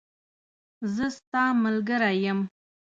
زه ستاملګری یم